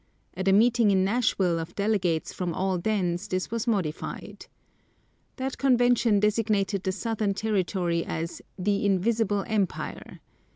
At a meeting in Nashville of delegates from all dens this was modified. That convention designated the southern territory as "The Invisible Empire."